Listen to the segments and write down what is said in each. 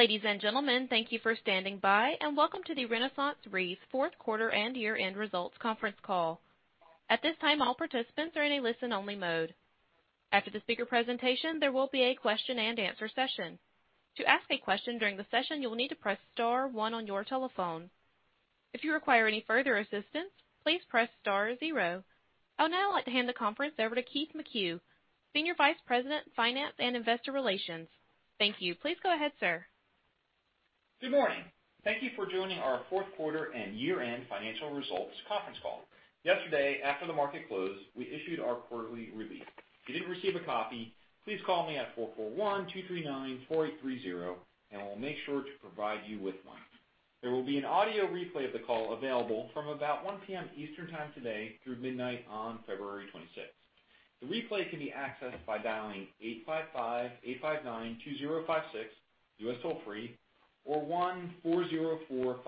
Ladies and gentlemen, thank you for standing by and welcome to the RenaissanceRe's Q4 and year-end results conference call. At this time, all participants are in a listen-only mode. After the speaker presentation, there will be a question-and-answer session. To ask a question during the session, you will need to press star one on your telephone. If you require any further assistance, please press star zero. I would now like to hand the conference over to Keith McCue, Senior Vice President, Finance & Investor Relations. Thank you. Please go ahead, sir. Good morning. Thank you for joining our Q4 and year-end financial results conference call. Yesterday, after the market closed, we issued our quarterly release. If you didn't receive a copy, please call me at 441-239-4830 and we'll make sure to provide you with one. There will be an audio replay of the call available from about 1 P.M. Eastern Time today through midnight on February 26th. The replay can be accessed by dialing 855-859-2056, U.S. toll-free, or 1-404-537-3406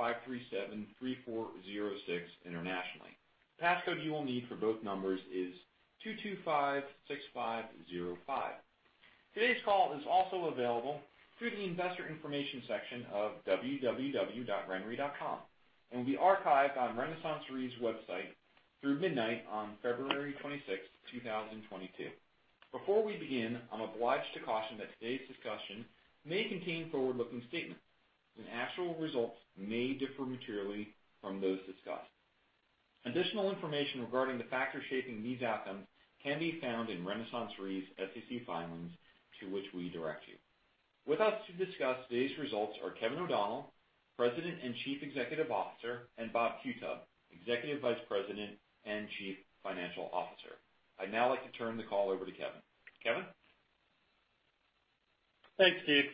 internationally. Passcode you will need for both numbers is 2256505. Today's call is also available through the investor information section of www.renre.com and will be archived on RenaissanceRe's website through midnight on February 26th, 2022. Before we begin, I'm obliged to caution that today's discussion may contain forward-looking statements and actual results may differ materially from those discussed. Additional information regarding the factors shaping these outcomes can be found in RenaissanceRe's SEC filings, to which we direct you. With us to discuss today's results are Kevin O'Donnell, President and Chief Executive Officer, and Bob Qutub, Executive Vice President and Chief Financial Officer. I'd now like to turn the call over to Kevin. Kevin? Thanks, Keith.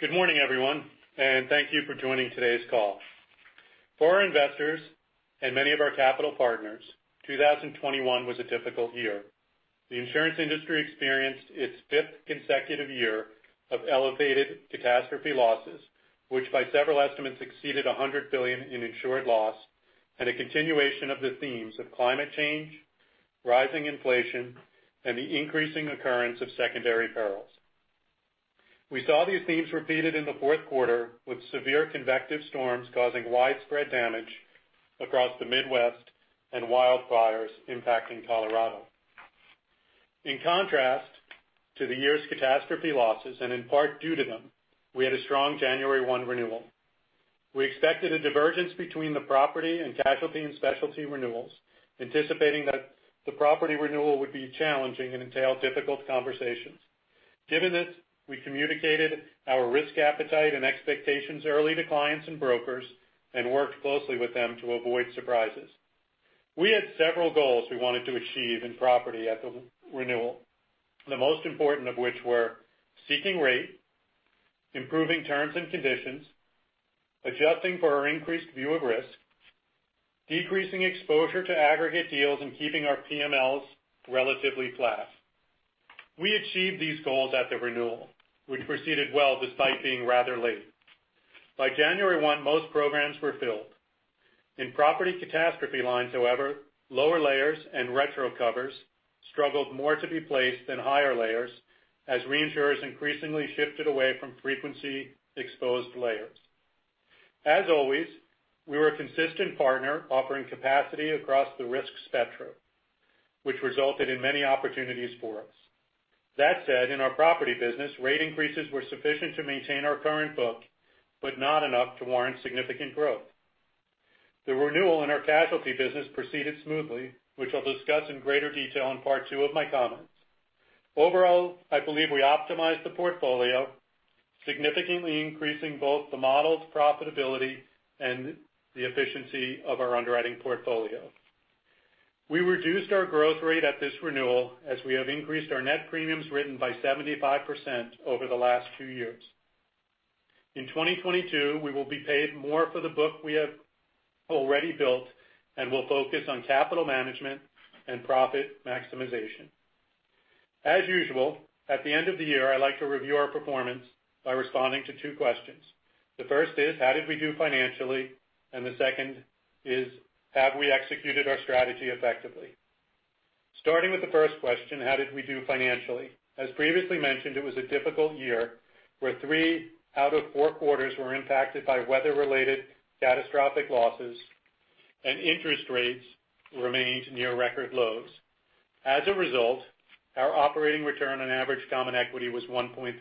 Good morning, everyone, and thank you for joining today's call. For our investors and many of our capital partners, 2021 was a difficult year. The insurance industry experienced its fifth consecutive year of elevated catastrophe losses, which by several estimates exceeded $100 billion in insured loss and a continuation of the themes of climate change, rising inflation, and the increasing occurrence of secondary perils. We saw these themes repeated in the Q4 with severe convective storms causing widespread damage across the Midwest and wildfires impacting Colorado. In contrast to the year's catastrophe losses, and in part due to them, we had a strong January 1 renewal. We expected a divergence between the property and casualty and specialty renewals, anticipating that the property renewal would be challenging and entail difficult conversations. Given this, we communicated our risk appetite and expectations early to clients and brokers and worked closely with them to avoid surprises. We had several goals we wanted to achieve in property at the renewal, the most important of which were seeking rate, improving terms and conditions, adjusting for our increased view of risk, decreasing exposure to aggregate deals, and keeping our PMLs relatively flat. We achieved these goals at the renewal, which proceeded well despite being rather late. By January 1, most programs were filled. In property catastrophe lines, however, lower layers and retro covers struggled more to be placed than higher layers as reinsurers increasingly shifted away from frequency-exposed layers. As always, we were a consistent partner offering capacity across the risk spectrum, which resulted in many opportunities for us. That said, in our property business, rate increases were sufficient to maintain our current book but not enough to warrant significant growth. The renewal in our casualty business proceeded smoothly, which I'll discuss in greater detail in part two of my comments. Overall, I believe we optimized the portfolio, significantly increasing both the model's profitability and the efficiency of our underwriting portfolio. We reduced our growth rate at this renewal as we have increased our net premiums written by 75% over the last two years. In 2022, we will be paid more for the book we have already built and will focus on capital management and profit maximization. As usual, at the end of the year, I like to review our performance by responding to two questions. The first is, how did we do financially? The second is, have we executed our strategy effectively? Starting with the first question, how did we do financially? As previously mentioned, it was a difficult year where three out of four quarters were impacted by weather-related catastrophic losses and interest rates remained near record lows. As a result, our operating return on average common equity was 1.3%.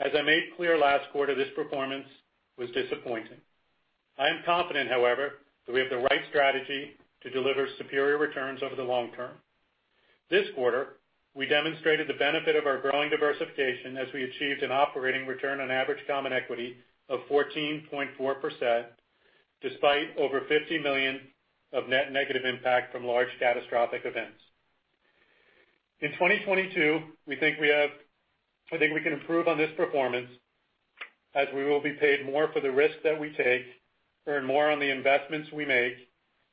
As I made clear last quarter, this performance was disappointing. I am confident, however, that we have the right strategy to deliver superior returns over the long term. This quarter, we demonstrated the benefit of our growing diversification as we achieved an operating return on average common equity of 14.4% despite over $50 million of net negative impact from large catastrophic events. In 2022, I think we can improve on this performance as we will be paid more for the risks that we take, earn more on the investments we make,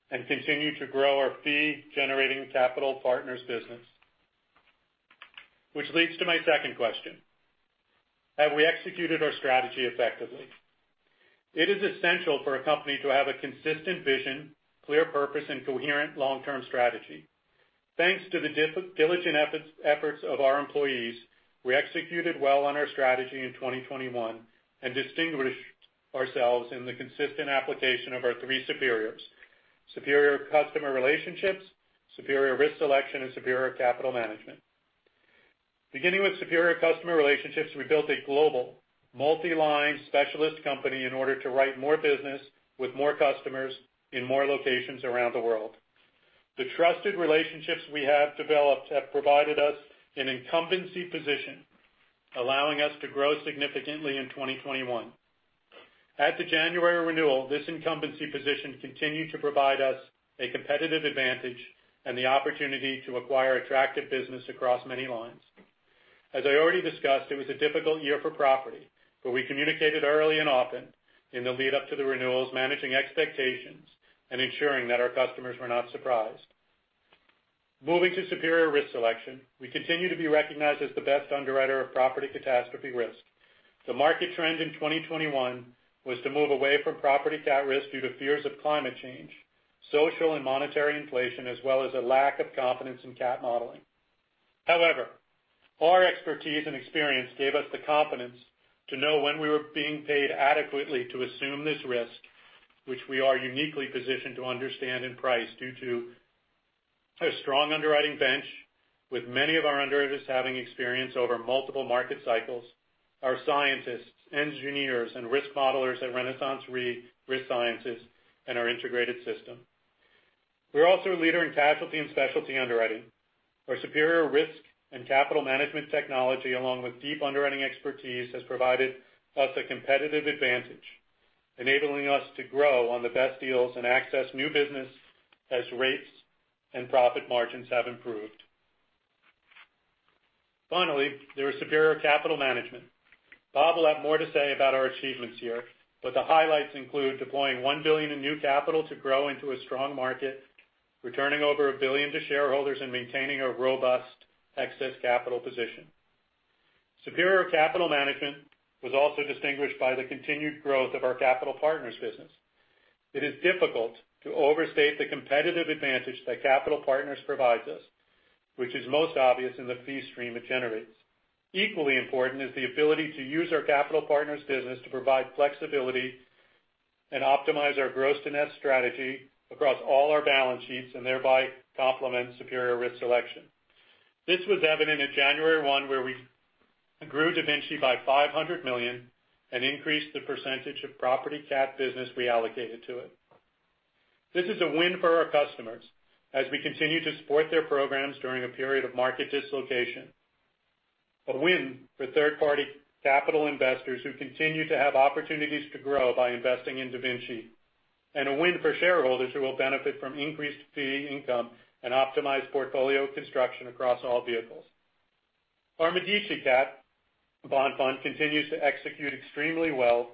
and continue to grow our fee-generating capital partners business. Which leads to my second question: Have we executed our strategy effectively? It is essential for a company to have a consistent vision, clear purpose, and coherent long-term strategy. Thanks to the diligent efforts of our employees, we executed well on our strategy in 2021 and distinguished ourselves in the consistent application of our three superiors. Superior customer relationships, superior risk selection, and superior capital management. Beginning with superior customer relationships, we built a global multi-line specialist company in order to write more business with more customers in more locations around the world. The trusted relationships we have developed have provided us an incumbency position, allowing us to grow significantly in 2021. At the January renewal, this incumbency position continued to provide us a competitive advantage and the opportunity to acquire attractive business across many lines. As I already discussed, it was a difficult year for property, but we communicated early and often in the lead-up to the renewals, managing expectations and ensuring that our customers were not surprised. Moving to superior risk selection, we continue to be recognized as the best underwriter of property catastrophe risk. The market trend in 2021 was to move away from property cat risk due to fears of climate change, social and monetary inflation, as well as a lack of confidence in cat modeling. However, our expertise and experience gave us the confidence to know when we were being paid adequately to assume this risk, which we are uniquely positioned to understand and price due to a strong underwriting bench, with many of our underwriters having experience over multiple market cycles, our scientists, engineers, and risk modelers at RenaissanceRe Risk Sciences, and our integrated system. We're also a leader in casualty and specialty underwriting. Our superior risk and capital management technology, along with deep underwriting expertise, has provided us a competitive advantage, enabling us to grow on the best deals and access new business as rates and profit margins have improved. Finally, there was superior capital management. Bob will have more to say about our achievements here, but the highlights include deploying $1 billion in new capital to grow into a strong market, returning over $1 billion to shareholders, and maintaining a robust excess capital position. Superior capital management was also distinguished by the continued growth of our capital partners business. It is difficult to overstate the competitive advantage that capital partners provides us, which is most obvious in the fee stream it generates. Equally important is the ability to use our capital partners business to provide flexibility and optimize our gross to net strategy across all our balance sheets, and thereby complement superior risk selection. This was evident in January 1, where we grew DaVinci by $500 million and increased the percentage of property cat business we allocated to it. This is a win for our customers as we continue to support their programs during a period of market dislocation, a win for third-party capital investors who continue to have opportunities to grow by investing in DaVinci, and a win for shareholders who will benefit from increased fee income and optimized portfolio construction across all vehicles. Our Medici cat bond fund continues to execute extremely well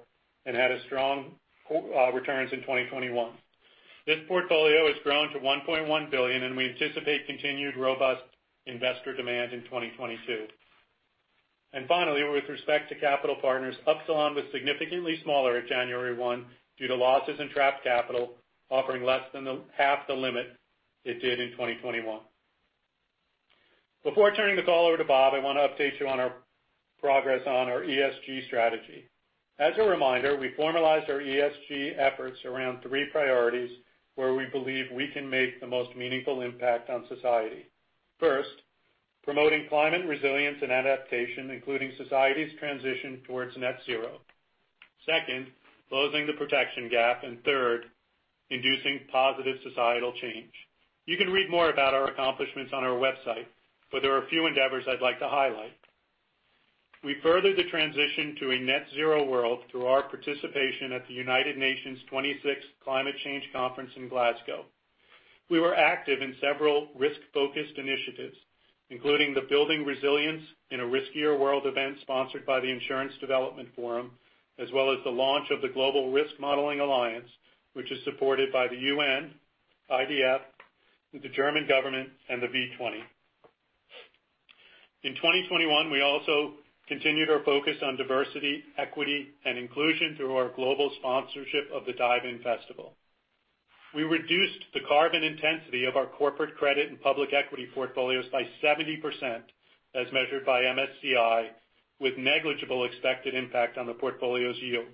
and had strong returns in 2021. This portfolio has grown to $1.1 billion, and we anticipate continued robust investor demand in 2022. Finally, with respect to capital partners, Upsilon was significantly smaller at January 1 due to losses in trapped capital, offering less than half the limit it did in 2021. Before turning the call over to Bob, I want to update you on our progress on our ESG strategy. As a reminder, we formalized our ESG efforts around three priorities where we believe we can make the most meaningful impact on society. First, promoting climate resilience and adaptation, including society's transition towards net zero. Second, closing the protection gap. Third, inducing positive societal change. You can read more about our accomplishments on our website, but there are a few endeavors I'd like to highlight. We furthered the transition to a net zero world through our participation at the United Nations twenty-sixth Climate Change Conference in Glasgow. We were active in several risk-focused initiatives, including the Building Resilience in a Riskier World event sponsored by the Insurance Development Forum, as well as the launch of the Global Risk Modeling Alliance, which is supported by the UN, IDF, the German government, and the V20. In 2021, we also continued our focus on diversity, equity, and inclusion through our global sponsorship of the Dive In Festival. We reduced the carbon intensity of our corporate credit and public equity portfolios by 70%, as measured by MSCI, with negligible expected impact on the portfolio's yield.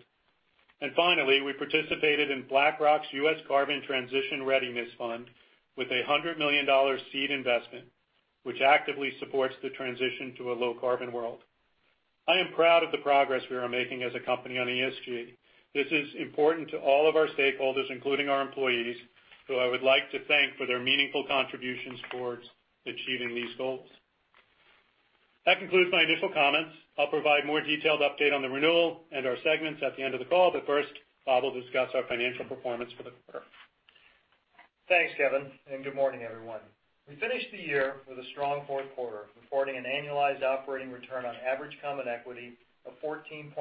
Finally, we participated in BlackRock's U.S. Carbon Transition Readiness Fund with a $100 million seed investment, which actively supports the transition to a low-carbon world. I am proud of the progress we are making as a company on ESG. This is important to all of our stakeholders, including our employees, who I would like to thank for their meaningful contributions towards achieving these goals. That concludes my initial comments. I'll provide a more detailed update on the renewal and our segments at the end of the call. First, Bob will discuss our financial performance for the quarter. Thanks, Kevin, and good morning, everyone. We finished the year with a strong Q4, reporting an annualized operating return on average common equity of 14.4%,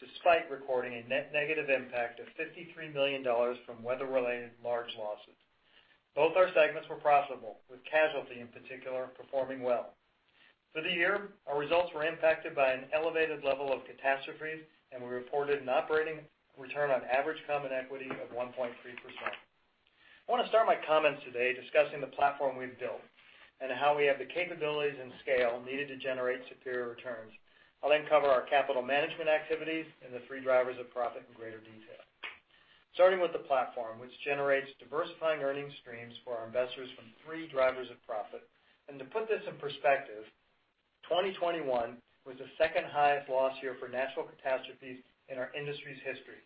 despite recording a net negative impact of $53 million from weather-related large losses. Both our segments were profitable, with casualty in particular performing well. For the year, our results were impacted by an elevated level of catastrophes, and we reported an operating return on average common equity of 1.3%. I want to start my comments today discussing the platform we've built and how we have the capabilities and scale needed to generate superior returns. I'll then cover our capital management activities and the three drivers of profit in greater detail. Starting with the platform, which generates diversifying earnings streams for our investors from three drivers of profit. To put this in perspective, 2021 was the second highest loss year for natural catastrophes in our industry's history,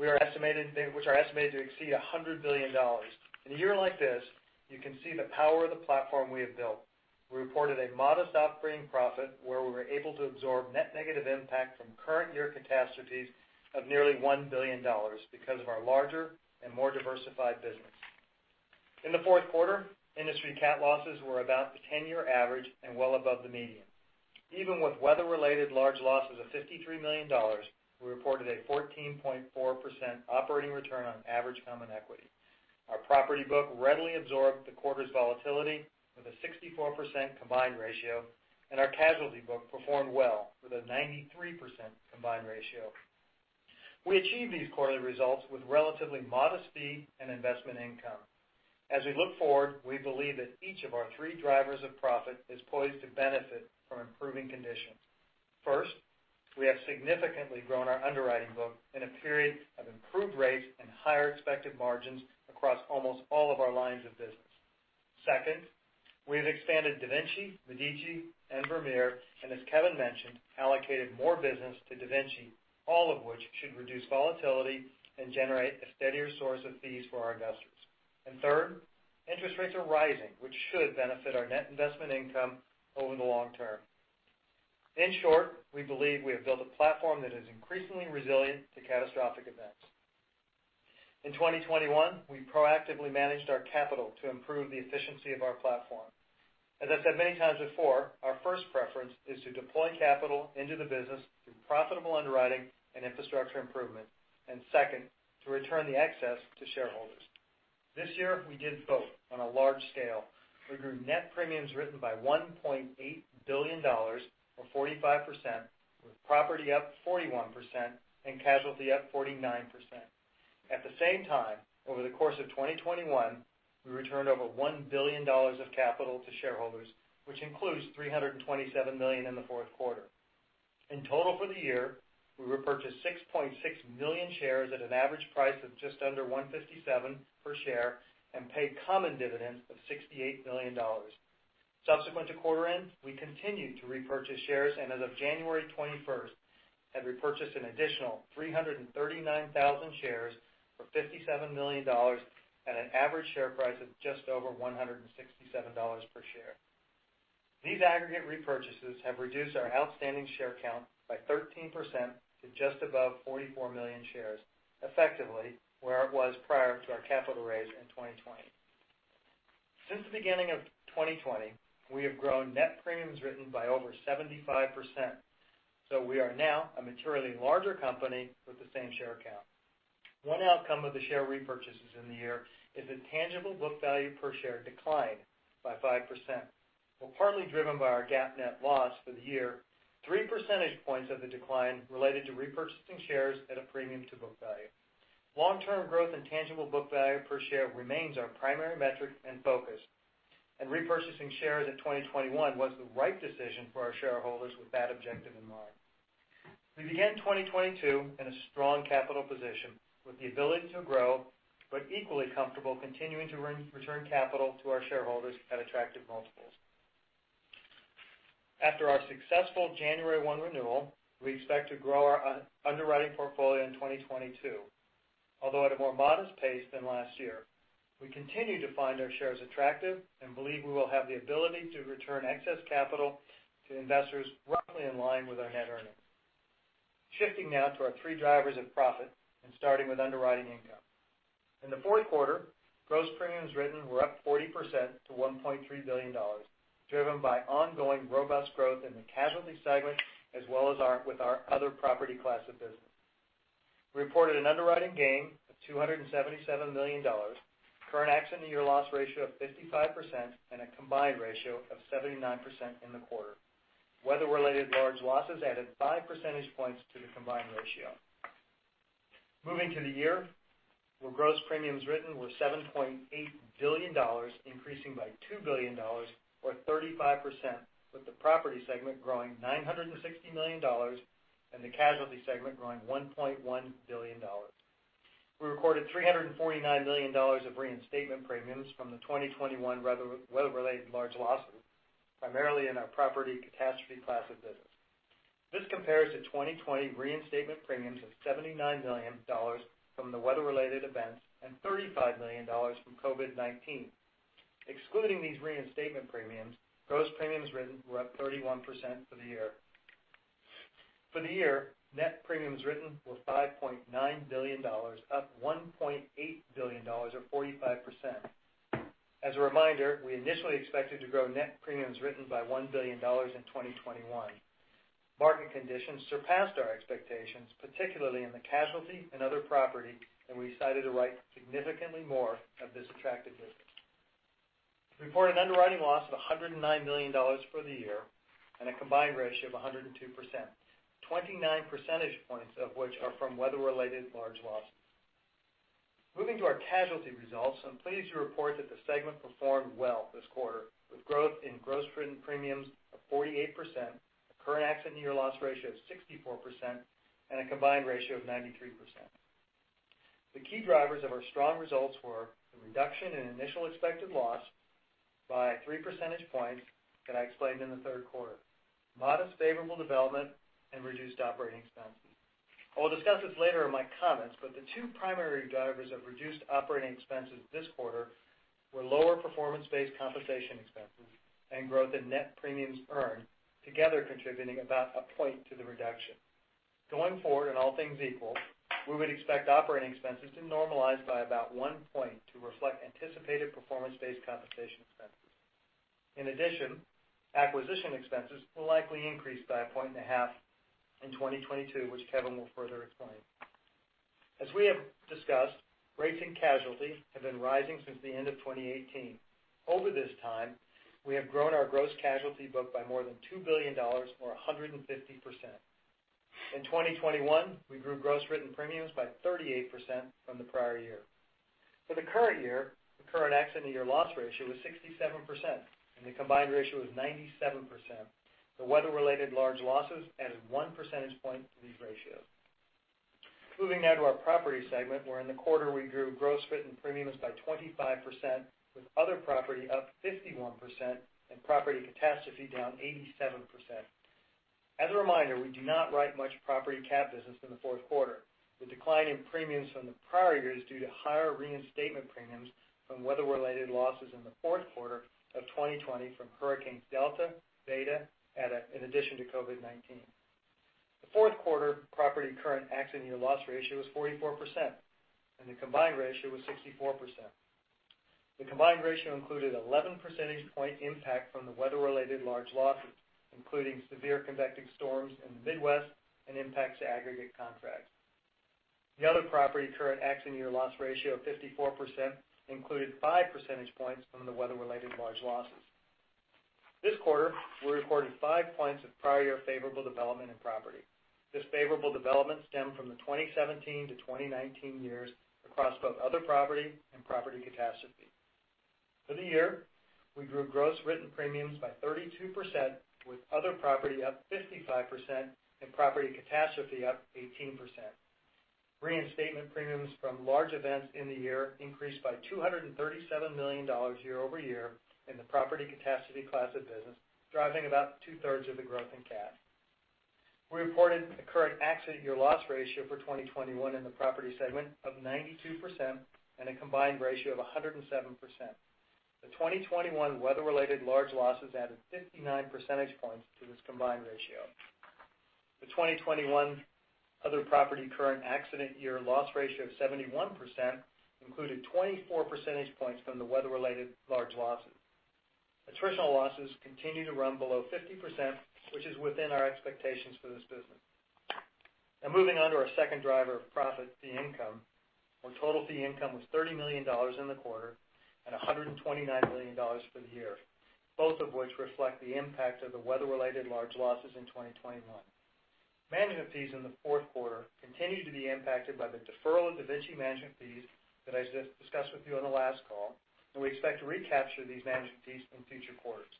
which are estimated to exceed $100 billion. In a year like this, you can see the power of the platform we have built. We reported a modest operating profit where we were able to absorb net negative impact from current year catastrophes of nearly $1 billion because of our larger and more diversified business. In the Q4, industry cat losses were about the 10-year average and well above the median. Even with weather-related large losses of $53 million, we reported a 14.4% operating return on average common equity. Our property book readily absorbed the quarter's volatility with a 64% combined ratio, and our casualty book performed well with a 93% combined ratio. We achieved these quarterly results with relatively modest fee and investment income. As we look forward, we believe that each of our three drivers of profit is poised to benefit from improving conditions. First, we have significantly grown our underwriting book in a period of improved rates and higher expected margins across almost all of our lines of business. Second, we have expanded DaVinci, Medici, and Vermeer, and as Kevin mentioned, allocated more business to DaVinci, all of which should reduce volatility and generate a steadier source of fees for our investors. Third, interest rates are rising, which should benefit our net investment income over the long term. In short, we believe we have built a platform that is increasingly resilient to catastrophic events. In 2021, we proactively managed our capital to improve the efficiency of our platform. As I said many times before, our first preference is to deploy capital into the business through profitable underwriting and infrastructure improvement, and second, to return the excess to shareholders. This year, we did both on a large scale. We grew net premiums written by $1.8 billion, or 45%, with property up 41% and casualty up 49%. At the same time, over the course of 2021, we returned over $1 billion of capital to shareholders, which includes $327 million in the Q4. In total for the year, we repurchased 6.6 million shares at an average price of just under $157 per share and paid common dividends of $68 million. Subsequent to quarter end, we continued to repurchase shares, and as of January 21st, had repurchased an additional 339,000 shares for $57 million at an average share price of just over $167 per share. These aggregate repurchases have reduced our outstanding share count by 13% to just above 44 million shares, effectively where it was prior to our capital raise in 2020. Since the beginning of 2020, we have grown net premiums written by over 75%, so we are now a materially larger company with the same share count. One outcome of the share repurchases in the year is a tangible book value per share decline by 5%. While partly driven by our GAAP net loss for the year, three percentage points of the decline related to repurchasing shares at a premium to book value. Long-term growth and tangible book value per share remains our primary metric and focus. Repurchasing shares in 2021 was the right decision for our shareholders with that objective in mind. We began 2022 in a strong capital position with the ability to grow, but equally comfortable continuing to return capital to our shareholders at attractive multiples. After our successful January 1 renewal, we expect to grow our underwriting portfolio in 2022, although at a more modest pace than last year. We continue to find our shares attractive and believe we will have the ability to return excess capital to investors roughly in line with our net earnings. Shifting now to our three drivers of profit and starting with underwriting income. In the Q4, gross premiums written were up 40% to $1.3 billion, driven by ongoing robust growth in the casualty segment, as well as our other property class of business. We reported an underwriting gain of $277 million, current accident year loss ratio of 55%, and a combined ratio of 79% in the quarter. Weather-related large losses added five percentage points to the combined ratio. Moving to the year, where gross premiums written were $7.8 billion, increasing by $2 billion or 35%, with the property segment growing $960 million and the casualty segment growing $1.1 billion. We recorded $349 million of reinstatement premiums from the 2021 weather-related large losses, primarily in our property catastrophe class of business. This compares to 2020 reinstatement premiums of $79 million from the weather-related events and $35 million from COVID-19. Excluding these reinstatement premiums, gross premiums written were up 31% for the year. For the year, net premiums written were $5.9 billion, up $1.8 billion or 45%. As a reminder, we initially expected to grow net premiums written by $1 billion in 2021. Market conditions surpassed our expectations, particularly in the casualty and other property, and we decided to write significantly more of this attractive business. Reported underwriting loss of $109 million for the year and a combined ratio of 102%, 29 percentage points of which are from weather-related large losses. Moving to our casualty results, I'm pleased to report that the segment performed well this quarter, with growth in gross written premiums of 48%, a current accident year loss ratio of 64%, and a combined ratio of 93%. The key drivers of our strong results were the reduction in initial expected loss by 3 percentage points that I explained in the Q3, modest favorable development, and reduced operating expenses. I will discuss this later in my comments, but the two primary drivers of reduced operating expenses this quarter were lower performance-based compensation expenses and growth in net premiums earned, together contributing about 1 point to the reduction. Going forward, all things equal, we would expect operating expenses to normalize by about 1 point to reflect anticipated performance-based compensation expenses. In addition, acquisition expenses will likely increase by 1.5 points in 2022, which Kevin will further explain. As we have discussed, rates in casualty have been rising since the end of 2018. Over this time, we have grown our gross casualty book by more than $2 billion or 150%. In 2021, we grew gross written premiums by 38% from the prior year. For the current year, the current accident year loss ratio was 67%, and the combined ratio was 97%. The weather-related large losses added 1 percentage point to these ratios. Moving now to our property segment, where in the quarter we grew gross written premiums by 25%, with other property up 51% and property catastrophe down 87%. As a reminder, we do not write much property cat business in the Q4. The decline in premiums from the prior year is due to higher reinstatement premiums from weather-related losses in the Q4 of 2020 from hurricanes Delta, Zeta, Eta, in addition to COVID-19. The Q4 property current accident year loss ratio was 44%, and the combined ratio was 64%. The combined ratio included 11 percentage point impact from the weather-related large losses, including severe convective storms in the Midwest and impacts to aggregate contracts. The other property current accident year loss ratio of 54% included 5 percentage points from the weather-related large losses. This quarter, we reported 5 points of prior year favorable development in property. This favorable development stemmed from the 2017 to 2019 years across both other property and property catastrophe. For the year, we grew gross written premiums by 32%, with other property up 55% and property catastrophe up 18%. Reinstatement premiums from large events in the year increased by $237 million year-over-year in the property catastrophe class of business, driving about two-thirds of the growth in cat. We reported a current accident year loss ratio for 2021 in the property segment of 92% and a combined ratio of 107%. The 2021 weather-related large losses added 59 percentage points to this combined ratio. The 2021 other property current accident year loss ratio of 71% included 24 percentage points from the weather-related large losses. Attritional losses continue to run below 50%, which is within our expectations for this business. Now moving on to our second driver of profit, fee income, our total fee income was $30 million in the quarter and $129 million for the year, both of which reflect the impact of the weather-related large losses in 2021. Management fees in the Q4 continued to be impacted by the deferral of DaVinci management fees that I discussed with you on the last call, and we expect to recapture these management fees in future quarters.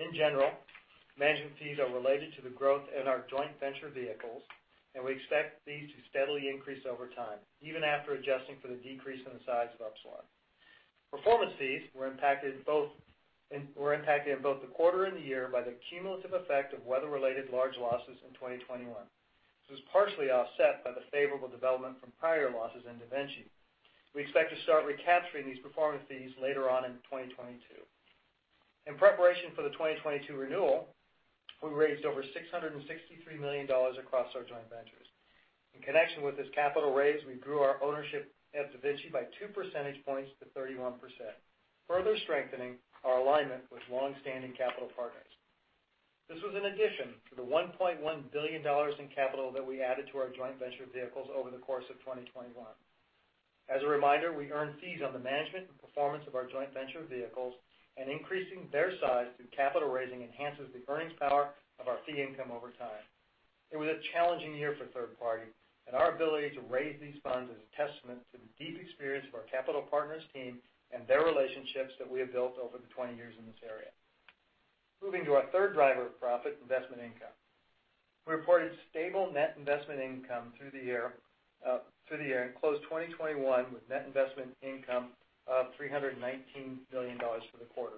In general, management fees are related to the growth in our joint venture vehicles, and we expect these to steadily increase over time, even after adjusting for the decrease in the size of Upsilon. Performance fees were impacted in both the quarter and the year by the cumulative effect of weather-related large losses in 2021. This was partially offset by the favorable development from prior losses in DaVinci. We expect to start recapturing these performance fees later on in 2022. In preparation for the 2022 renewal, we raised over $663 million across our joint ventures. In connection with this capital raise, we grew our ownership at DaVinci by 2 percentage points to 31%, further strengthening our alignment with long-standing capital partners. This was in addition to the $1.1 billion in capital that we added to our joint venture vehicles over the course of 2021. As a reminder, we earn fees on the management and performance of our joint venture vehicles, and increasing their size through capital raising enhances the earnings power of our fee income over time. It was a challenging year for third party, and our ability to raise these funds is a testament to the deep experience of our capital partners team and their relationships that we have built over the 20 years in this area. Moving to our third driver of profit, investment income. We reported stable net investment income through the year and closed 2021 with net investment income of $319 million for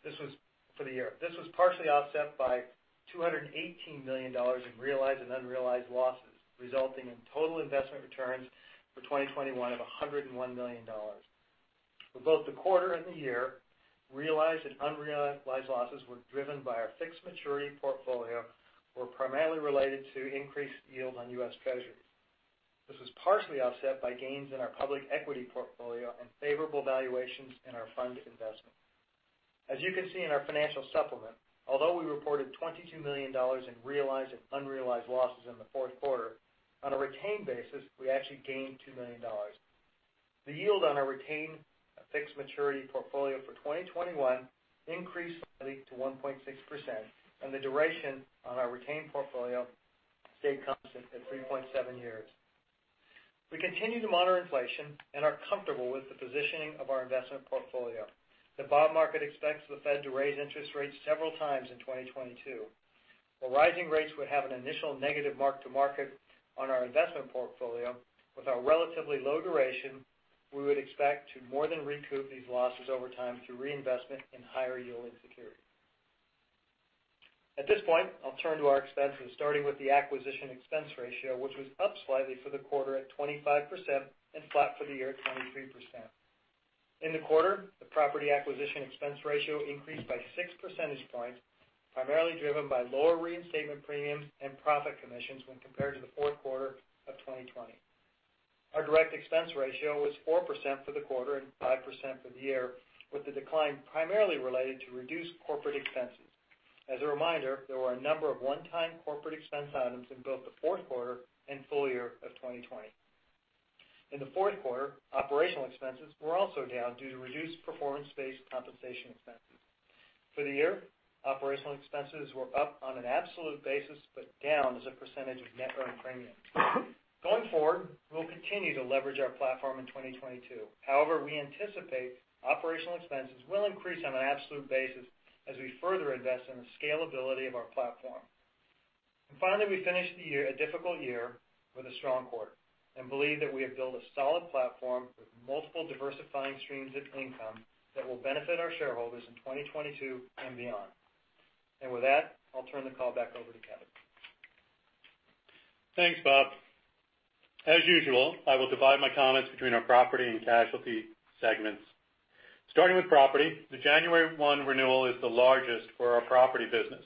the year. This was partially offset by $218 million in realized and unrealized losses, resulting in total investment returns for 2021 of $101 million. For both the quarter and the year, realized and unrealized losses were driven by our fixed maturity portfolio, were primarily related to increased yield on U.S. Treasury. This was partially offset by gains in our public equity portfolio and favorable valuations in our fund investment. As you can see in our financial supplement, although we reported $22 million in realized and unrealized losses in the Q4, on a retained basis, we actually gained $2 million. The yield on our retained fixed maturity portfolio for 2021 increased slightly to 1.6%, and the duration on our retained portfolio stayed constant at 3.7 years. We continue to monitor inflation and are comfortable with the positioning of our investment portfolio. The bond market expects the Fed to raise interest rates several times in 2022. While rising rates would have an initial negative mark to market on our investment portfolio, with our relatively low duration, we would expect to more than recoup these losses over time through reinvestment in higher yielding securities. At this point, I'll turn to our expenses, starting with the acquisition expense ratio, which was up slightly for the quarter at 25% and flat for the year at 23%. In the quarter, the property acquisition expense ratio increased by 6 percentage points, primarily driven by lower reinstatement premiums and profit commissions when compared to the Q4 of 2020. Our direct expense ratio was 4% for the quarter and 5% for the year, with the decline primarily related to reduced corporate expenses. As a reminder, there were a number of one-time corporate expense items in both the Q4 and full year of 2020. In the Q4, operational expenses were also down due to reduced performance-based compensation expenses. For the year, operational expenses were up on an absolute basis, but down as a percentage of net earned premium. Going forward, we'll continue to leverage our platform in 2022. However, we anticipate operational expenses will increase on an absolute basis as we further invest in the scalability of our platform. Finally, we finished the year, a difficult year, with a strong quarter, and believe that we have built a solid platform with multiple diversifying streams of income that will benefit our shareholders in 2022 and beyond. With that, I'll turn the call back over to Kevin. Thanks, Bob. As usual, I will divide my comments between our property and casualty segments. Starting with property, the January 1 renewal is the largest for our property business.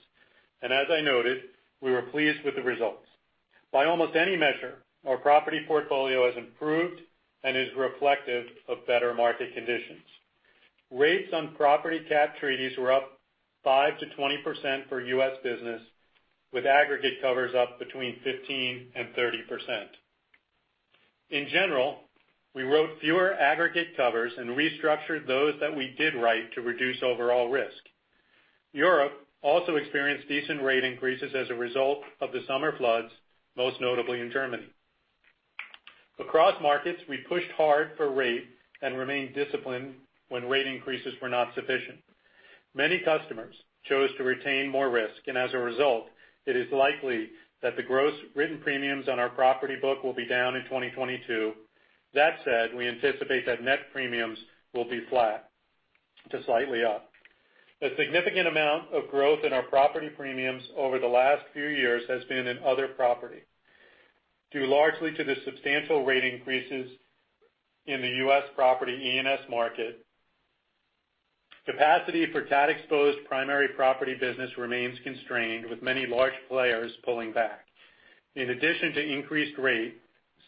As I noted, we were pleased with the results. By almost any measure, our property portfolio has improved and is reflective of better market conditions. Rates on property cat treaties were up 5%-20% for U.S. business, with aggregate covers up between 15%-30%. In general, we wrote fewer aggregate covers and restructured those that we did write to reduce overall risk. Europe also experienced decent rate increases as a result of the summer floods, most notably in Germany. Across markets, we pushed hard for rate and remained disciplined when rate increases were not sufficient. Many customers chose to retain more risk, and as a result, it is likely that the gross written premiums on our property book will be down in 2022. That said, we anticipate that net premiums will be flat to slightly up. A significant amount of growth in our property premiums over the last few years has been in other property, due largely to the substantial rate increases in the U.S. property E&S market. Capacity for cat-exposed primary property business remains constrained, with many large players pulling back. In addition to increased rate,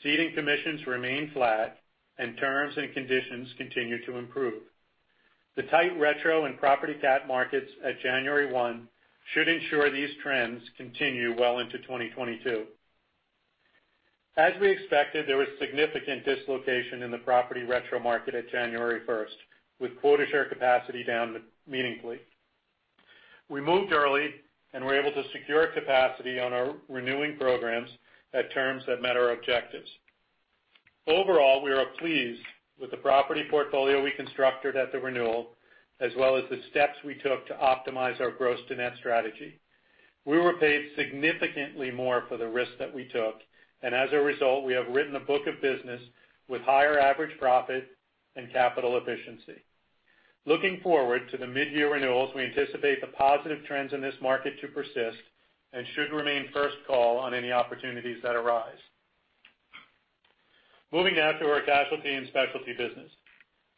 ceding commissions remain flat, and terms and conditions continue to improve. The tight retro and property cat markets at January 1 should ensure these trends continue well into 2022. As we expected, there was significant dislocation in the property retro market at January 1st, with quota share capacity down meaningfully. We moved early and were able to secure capacity on our renewing programs at terms that met our objectives. Overall, we are pleased with the property portfolio we constructed at the renewal, as well as the steps we took to optimize our gross to net strategy. We were paid significantly more for the risk that we took, and as a result, we have written a book of business with higher average profit and capital efficiency. Looking forward to the mid-year renewals, we anticipate the positive trends in this market to persist and should remain first call on any opportunities that arise. Moving now to our casualty and specialty business.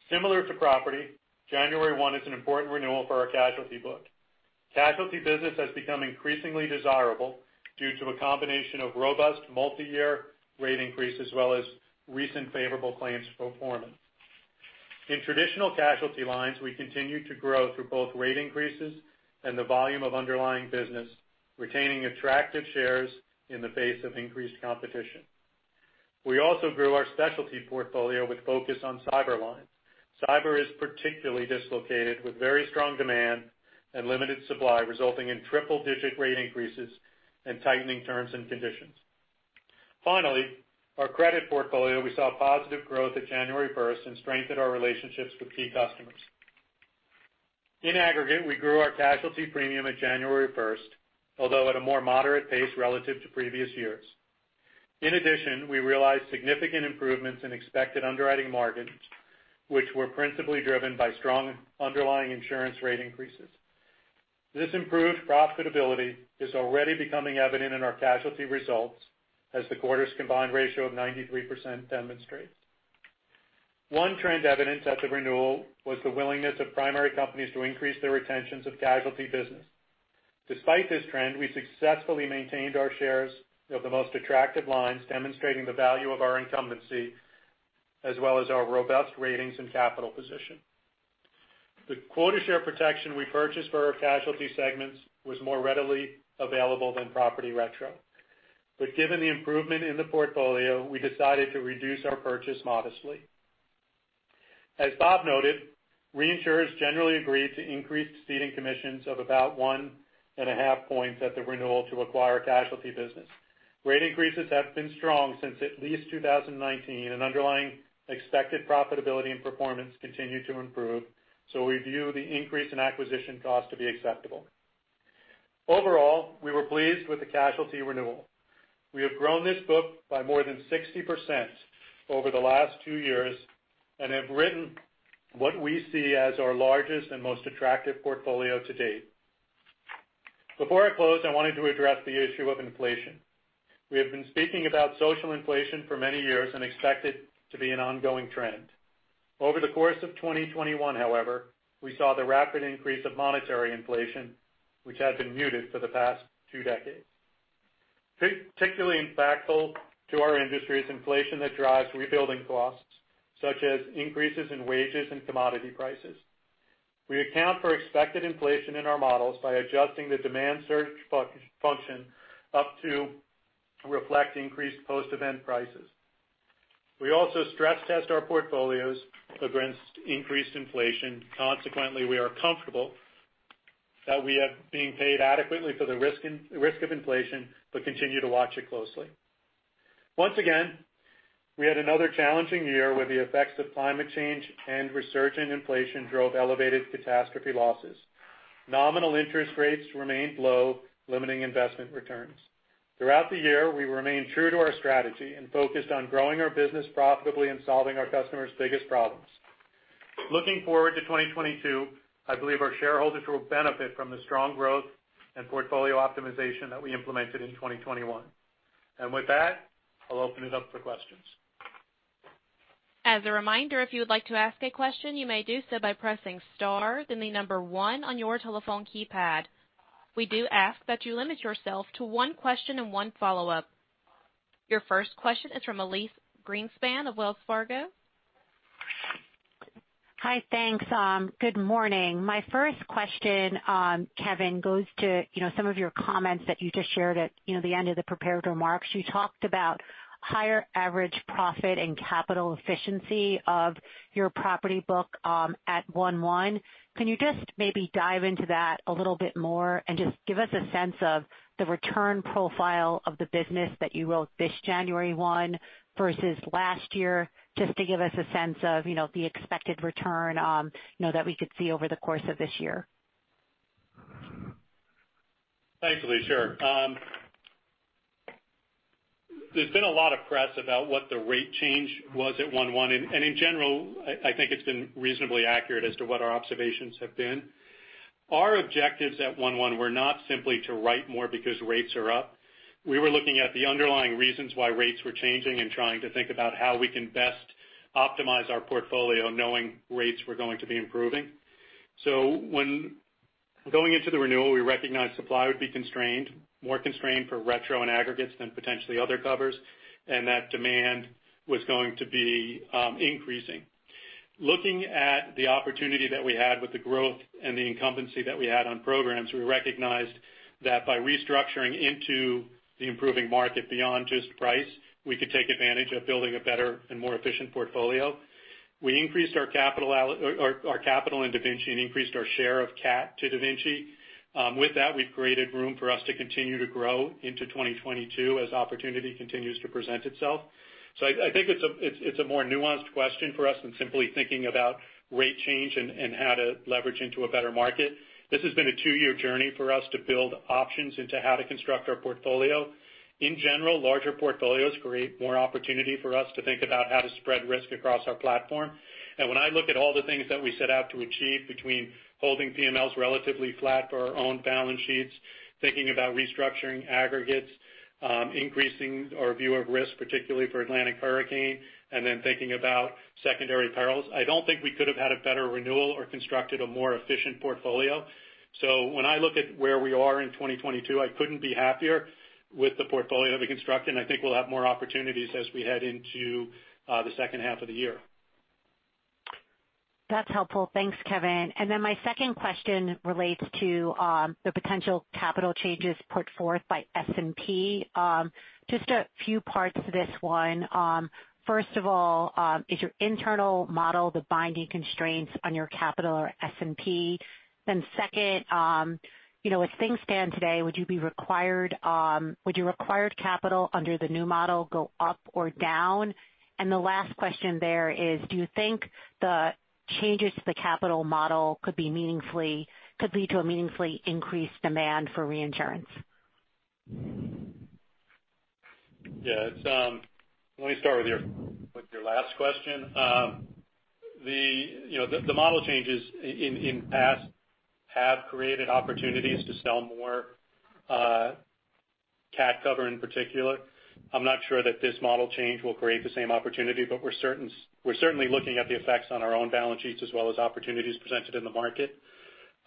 Similar to property, January one is an important renewal for our casualty book. Casualty business has become increasingly desirable due to a combination of robust multi-year rate increase as well as recent favorable claims performance. In traditional casualty lines, we continue to grow through both rate increases and the volume of underlying business, retaining attractive shares in the face of increased competition. We also grew our specialty portfolio with focus on cyber lines. Cyber is particularly dislocated, with very strong demand and limited supply, resulting in triple-digit rate increases and tightening terms and conditions. Finally, our credit portfolio, we saw positive growth at January first and strengthened our relationships with key customers. In aggregate, we grew our casualty premium at January first, although at a more moderate pace relative to previous years. In addition, we realized significant improvements in expected underwriting margins, which were principally driven by strong underlying insurance rate increases. This improved profitability is already becoming evident in our casualty results, as the quarter's combined ratio of 93% demonstrates. One trend evidence at the renewal was the willingness of primary companies to increase their retentions of casualty business. Despite this trend, we successfully maintained our shares of the most attractive lines, demonstrating the value of our incumbency as well as our robust ratings and capital position. The quota share protection we purchased for our casualty segments was more readily available than property retro. Given the improvement in the portfolio, we decided to reduce our purchase modestly. As Bob noted, reinsurers generally agreed to increase ceding commissions of about 1.5 points at the renewal to acquire casualty business. Rate increases have been strong since at least 2019, and underlying expected profitability and performance continue to improve, so we view the increase in acquisition cost to be acceptable. Overall, we were pleased with the casualty renewal. We have grown this book by more than 60% over the last two years and have written what we see as our largest and most attractive portfolio to date. Before I close, I wanted to address the issue of inflation. We have been speaking about social inflation for many years and expect it to be an ongoing trend. Over the course of 2021 however, we saw the rapid increase of monetary inflation, which had been muted for the past two decades. Particularly impactful to our industry is inflation that drives rebuilding costs, such as increases in wages and commodity prices. We account for expected inflation in our models by adjusting the demand surge function up to reflect increased post-event prices. We also stress test our portfolios against increased inflation. Consequently, we are comfortable that we are being paid adequately for the risk of inflation, but continue to watch it closely. Once again, we had another challenging year where the effects of climate change and resurgent inflation drove elevated catastrophe losses. Nominal interest rates remained low, limiting investment returns. Throughout the year, we remained true to our strategy and focused on growing our business profitably and solving our customers' biggest problems. Looking forward to 2022, I believe our shareholders will benefit from the strong growth and portfolio optimization that we implemented in 2021. With that, I'll open it up for questions. As a reminder, if you would like to ask a question, you may do so by pressing star, then the number one on your telephone keypad. We do ask that you limit yourself to one question and one follow-up. Your first question is from Elyse Greenspan of Wells Fargo. Hi. Thanks. Good morning. My first question, Kevin, goes to, you know, some of your comments that you just shared at, you know, the end of the prepared remarks. You talked about higher average profit and capital efficiency of your property book at 1/1. Can you just maybe dive into that a little bit more and just give us a sense of the return profile of the business that you wrote this January 1 versus last year, just to give us a sense of, you know, the expected return, you know, that we could see over the course of this year? Thanks, Elyse. Sure. There's been a lot of press about what the rate change was at 1/1. In general, I think it's been reasonably accurate as to what our observations have been. Our objectives at 1/1 were not simply to write more because rates are up. We were looking at the underlying reasons why rates were changing and trying to think about how we can best optimize our portfolio knowing rates were going to be improving. When going into the renewal, we recognized supply would be constrained, more constrained for retro and aggregates than potentially other covers, and that demand was going to be increasing. Looking at the opportunity that we had with the growth and the incumbency that we had on programs, we recognized that by restructuring into the improving market beyond just price, we could take advantage of building a better and more efficient portfolio. We increased our capital in DaVinci and increased our share of CAT to DaVinci. With that, we've created room for us to continue to grow into 2022 as opportunity continues to present itself. I think it's a more nuanced question for us than simply thinking about rate change and how to leverage into a better market. This has been a two-year journey for us to build options into how to construct our portfolio. In general, larger portfolios create more opportunity for us to think about how to spread risk across our platform. When I look at all the things that we set out to achieve between holding PMLs relatively flat for our own balance sheets, thinking about restructuring aggregates, increasing our view of risk, particularly for Atlantic hurricane, and then thinking about secondary perils, I don't think we could have had a better renewal or constructed a more efficient portfolio. When I look at where we are in 2022, I couldn't be happier with the portfolio that we constructed, and I think we'll have more opportunities as we head into the second half of the year. That's helpful. Thanks, Kevin. My second question relates to the potential capital changes put forth by S&P. Just a few parts to this one. First of all, is your internal model the binding constraints on your capital or S&P? Second, you know, as things stand today, would you be required, would your required capital under the new model go up or down? The last question there is, do you think the changes to the capital model could lead to a meaningfully increased demand for reinsurance? Yeah. It's. Let me start with your last question. The model changes in the past have created opportunities to sell more cat cover in particular. I'm not sure that this model change will create the same opportunity, but we're certainly looking at the effects on our own balance sheets as well as opportunities presented in the market.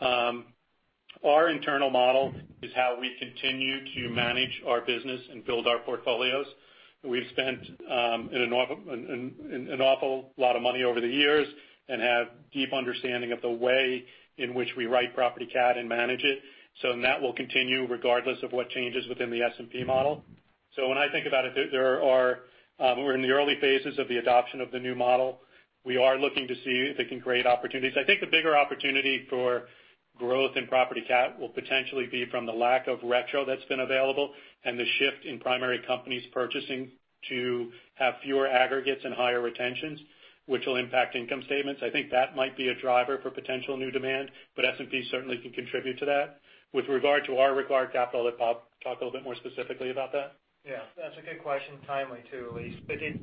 Our internal model is how we continue to manage our business and build our portfolios. We've spent an awful lot of money over the years and have deep understanding of the way in which we write property cat and manage it. That will continue regardless of what changes within the S&P model. When I think about it, we're in the early phases of the adoption of the new model. We are looking to see if it can create opportunities. I think the bigger opportunity for growth in property cat will potentially be from the lack of retro that's been available and the shift in primary companies purchasing to have fewer aggregates and higher retentions, which will impact income statements. I think that might be a driver for potential new demand, but S&P certainly can contribute to that. With regard to our required capital, I'll let Bob talk a little bit more specifically about that. Yeah, that's a good question. Timely too, Elyse. It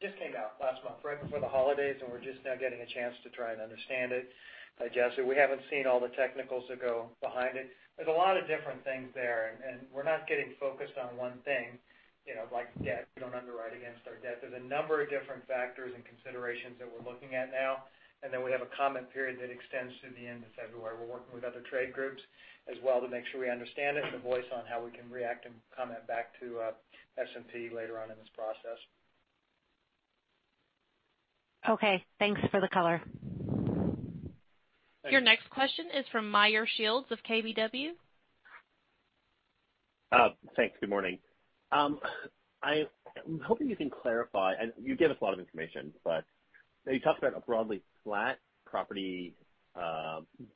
just came out last month, right before the holidays, and we're just now getting a chance to try and understand it. Like Elyse, we haven't seen all the technicals that go behind it. There's a lot of different things there, and we're not getting focused on one thing, you know, like debt. We don't underwrite against our debt. There's a number of different factors and considerations that we're looking at now. Then we have a comment period that extends through the end of February. We're working with other trade groups as well to make sure we understand it and voice on how we can react and comment back to S&P later on in this process. Okay, thanks for the color. Thank you. Your next question is from Meyer Shields of KBW. Thanks. Good morning. I'm hoping you can clarify, and you gave us a lot of information, but you talked about a broadly flat property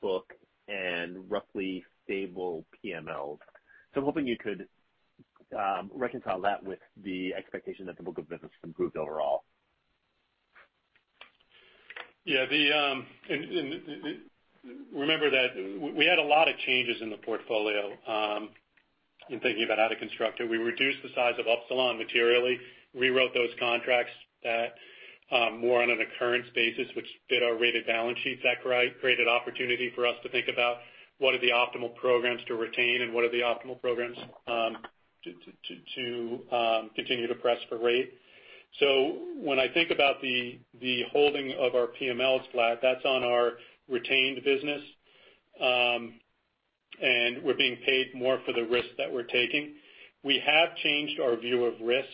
book and roughly stable PMLs. I'm hoping you could reconcile that with the expectation that the book of business improved overall. Remember that we had a lot of changes in the portfolio in thinking about how to construct it. We reduced the size of Upsilon materially, rewrote those contracts at more on an occurrence basis, which aided our rated balance sheets that created opportunity for us to think about what are the optimal programs to retain and what are the optimal programs to continue to press for rate. When I think about the holding of our PMLs flat, that's on our retained business and we're being paid more for the risk that we're taking. We have changed our view of risk,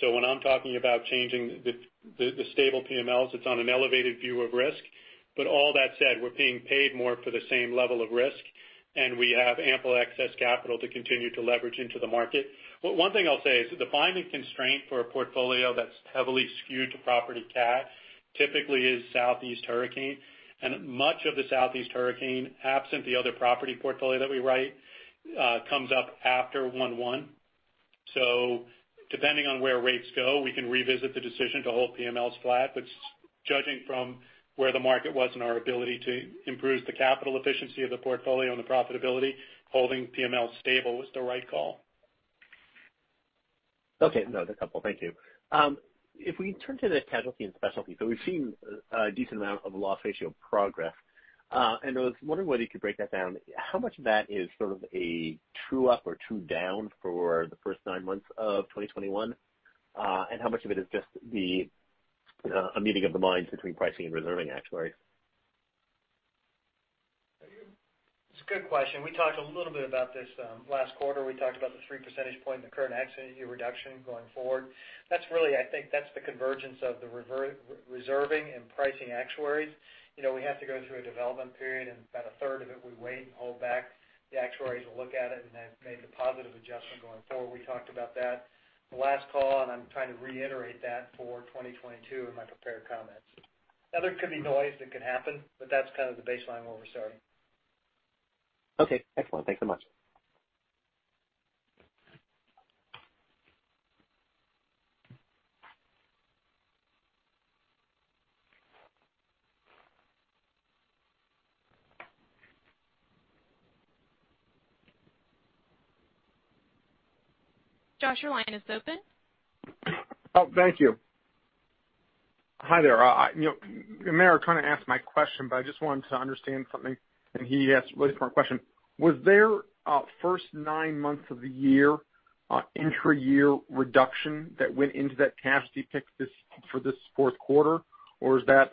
so when I'm talking about changing the stable PMLs, it's on an elevated view of risk. All that said, we're being paid more for the same level of risk, and we have ample excess capital to continue to leverage into the market. One thing I'll say is the binding constraint for a portfolio that's heavily skewed to property cat typically is Southeast hurricane. Much of the Southeast hurricane, absent the other property portfolio that we write, comes up after 1/1. Depending on where rates go, we can revisit the decision to hold PMLs flat. Judging from where the market was and our ability to improve the capital efficiency of the portfolio and the profitability, holding PML stable was the right call. Okay. No, that's helpful. Thank you. If we turn to the casualty and specialty, we've seen a decent amount of loss ratio progress. I was wondering whether you could break that down. How much of that is sort of a true up or true down for the first nine months of 2021? How much of it is just a meeting of the minds between pricing and reserving actuaries? It's a good question. We talked a little bit about this last quarter. We talked about the 3 percentage point in the current accident year reduction going forward. That's really, I think, that's the convergence of the reserving and pricing actuaries. You know, we have to go through a development period, and about a third of it, we wait and hold back. The actuaries will look at it and have made a positive adjustment going forward. We talked about that on the last call, and I'm trying to reiterate that for 2022 in my prepared comments. Now, there could be noise that could happen, but that's kind of the baseline where we're starting. Okay, excellent. Thanks so much. Josh, your line is open. Oh, thank you. Hi there. You know, I'm trying to ask my question, but I just wanted to understand something, and he asked a really smart question. Was there in the first nine months of the year intra-year reduction that went into that casualty pick-up for this Q4? Or is that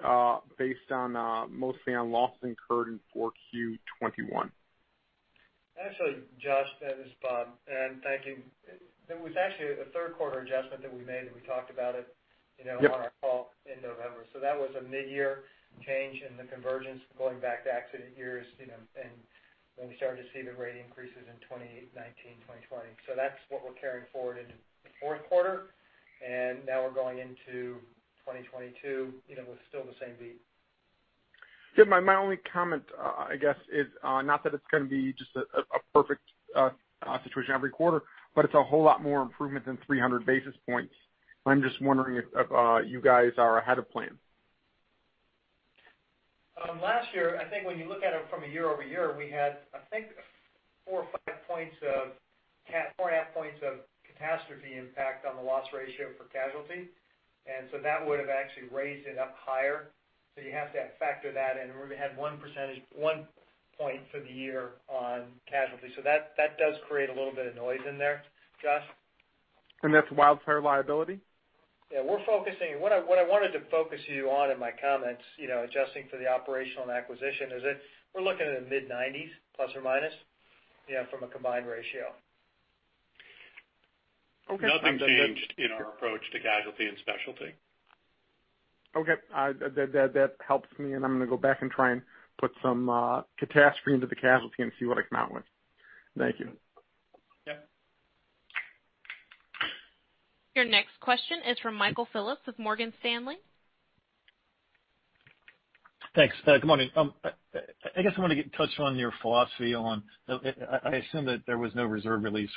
based on mostly on losses incurred in Q4 2021? Actually, Josh, this is Bob. Thank you. It was actually a Q3 adjustment that we made, and we talked about it, you know. Yep On our call in November. That was a mid-year change in the convergence going back to accident years, you know, and when we started to see the rate increases in 2019, 2020. That's what we're carrying forward into the Q4. Now we're going into 2022, you know, with still the same beat. Yeah. My only comment, I guess is, not that it's gonna be just a perfect situation every quarter, but it's a whole lot more improvement than 300 basis points. I'm just wondering if you guys are ahead of plan. Last year, I think when you look at it from a year-over-year, we had I think 4.5 points of catastrophe impact on the loss ratio for casualty. That would have actually raised it up higher. You have to factor that in. We had 1% for the year on casualty. That does create a little bit of noise in there. Josh? That's wildfire liability? What I wanted to focus on in my comments, you know, adjusting for the operational and acquisition is that we're looking at the mid-90s ±%, you know, for a combined ratio. Okay. Nothing changed in our approach to casualty and specialty. Okay. That helps me, and I'm gonna go back and try and put some catastrophe into the casualty and see what I come out with. Thank you. Yeah. Your next question is from Michael Phillips of Morgan Stanley. Thanks. Good morning. I guess I wanna touch on your philosophy on, I assume that there was no reserve release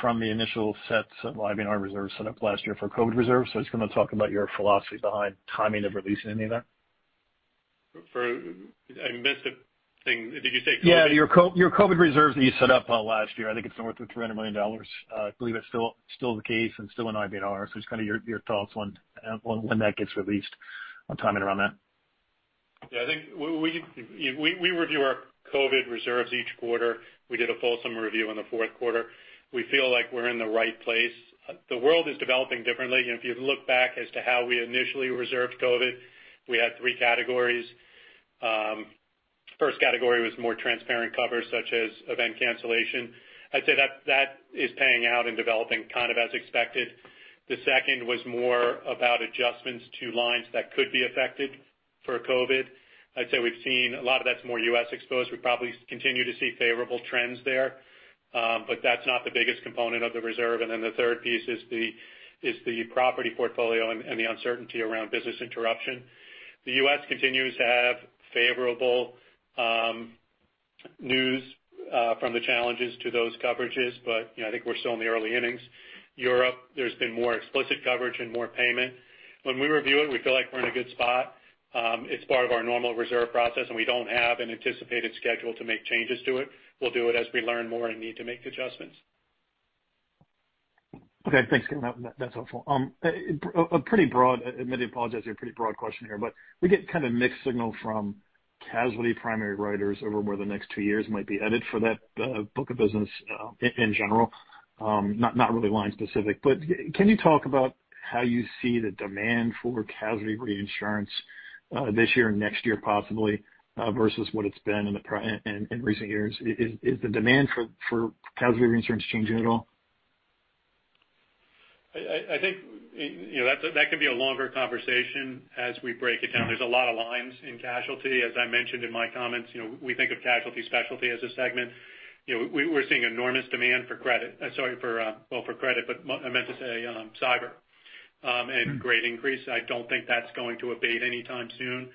from the initial sets of IBNR reserves set up last year for COVID reserves. I was gonna talk about your philosophy behind timing of releasing any of that. I missed a thing. Did you say COVID? Yeah, your COVID reserves that you set up last year. I think it's north of $300 million. I believe it's still the case and still in IBNR. Just kind of your thoughts on when that gets released, on timing around that. Yeah, I think we review our COVID reserves each quarter. We did a fulsome review in the Q4. We feel like we're in the right place. The world is developing differently. You know, if you look back as to how we initially reserved COVID, we had three categories. First category was more transparent covers such as event cancellation. I'd say that is paying out and developing kind of as expected. The second was more about adjustments to lines that could be affected for COVID. I'd say we've seen a lot of that's more U.S. exposed. We probably continue to see favorable trends there, but that's not the biggest component of the reserve. The third piece is the property portfolio and the uncertainty around business interruption. The U.S. continues to have favorable news from the challenges to those coverages, but, you know, I think we're still in the early innings. Europe, there's been more explicit coverage and more payment. When we review it, we feel like we're in a good spot. It's part of our normal reserve process, and we don't have an anticipated schedule to make changes to it. We'll do it as we learn more and need to make adjustments. Okay. Thanks, Kevin. That's helpful. A pretty broad question here, but we get kind of mixed signal from casualty primary writers over where the next two years might be headed for that book of business in general, not really line specific. Can you talk about how you see the demand for casualty reinsurance this year and next year possibly versus what it's been in recent years? Is the demand for casualty reinsurance changing at all? I think that can be a longer conversation as we break it down. There's a lot of lines in casualty. As I mentioned in my comments, you know, we think of casualty specialty as a segment. You know, we're seeing enormous demand for cyber and great increase. I don't think that's going to abate anytime soon.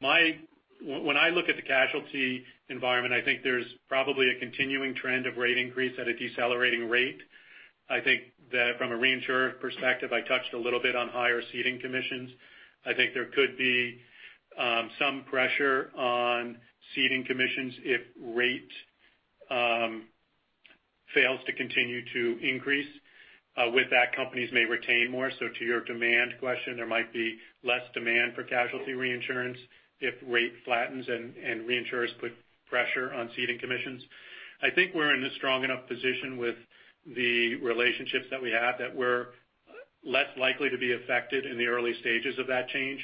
When I look at the casualty environment, I think there's probably a continuing trend of rate increase at a decelerating rate. I think that from a reinsurer perspective, I touched a little bit on higher ceding commissions. I think there could be some pressure on ceding commissions if rate fails to continue to increase. With that, companies may retain more. To your demand question, there might be less demand for casualty reinsurance if rate flattens and reinsurers put pressure on ceding commissions. I think we're in a strong enough position with the relationships that we have that we're less likely to be affected in the early stages of that change.